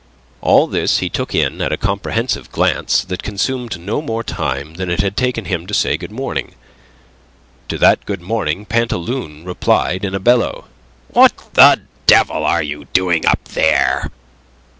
All this he took in at a comprehensive glance that consumed no more time than it had taken him to say good morning. To that good morning Pantaloon replied in a bellow: "What the devil are you doing up there?"